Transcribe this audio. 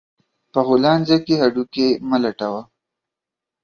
په غولانځه کې هډو کى مه لټوه